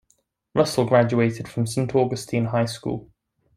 Russell graduated from Saint Augustine High School.